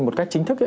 một cách chính thức